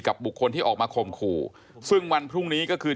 บุคคลที่ออกมาข่มขู่ซึ่งวันพรุ่งนี้ก็คือ